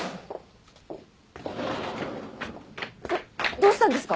どうしたんですか？